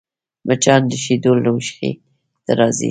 مچان د شیدو لوښي ته راځي